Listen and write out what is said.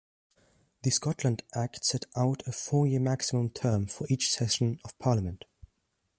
The Scotland Act set out a four-year maximum term for each session of Parliament.